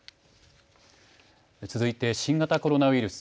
続いて新型コロナウイルス。